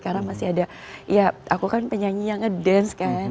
karena masih ada ya aku kan penyanyi yang ngedance kan